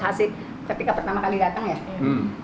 asik ketika pertama kali datang ya